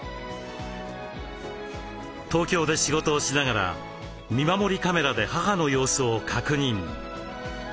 東京で仕事をしながら見守りカメラで母の様子を確認。